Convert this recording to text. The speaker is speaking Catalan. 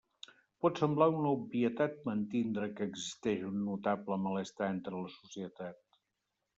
Pot semblar una obvietat mantindre que existeix un notable malestar entre la societat.